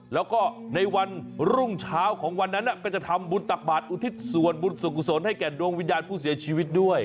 หรอก็ในวันรุ่งเช้าของวันนั้นจะทำบุตรบาดอุทิศวรบุตรสกุศลให้แก่ดวงวิญญาณผู้เสียชีวิตด้วย